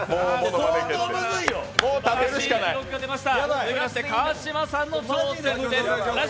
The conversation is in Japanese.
続きまして川島さんの挑戦です。